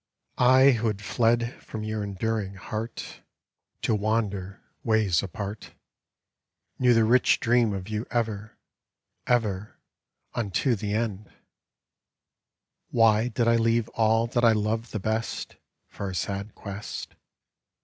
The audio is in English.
I who had fled from your enduring heart [»3] r ■jj T' AERE PERENNIUS To wander ways apart, Knew the rich dream of you ever, ever unto the end I Why did I leave all that I loved the best For a sad quest?